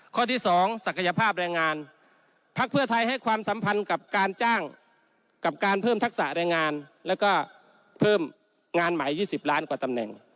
ข้อที่๒ศักยภาพแรงงานพักเพื่อไทยให้ความสัมพันธ์กับการจ้างกับการเพิ่มทักษะแรงงานแล้วก็เพิ่มงานใหม่๒๐ล้านกว่าตำแหน่ง